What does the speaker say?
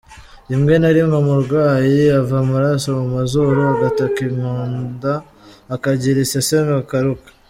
Rimwe na rimwe umurwayi ava amaraso mu mazuru, agata inkonda, akagira iseseme akaruka.